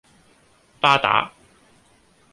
巴打